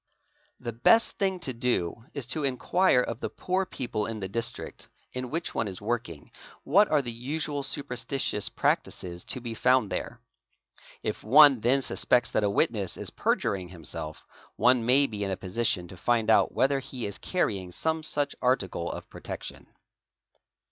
The best thing to do is to inquire of the poor people in the district — in which one is working what are the usual superstitious practices to be found there. If one then suspects that a witness is perjuring himself, one — may be in a position to find out whether he is carrying some such article | of protection.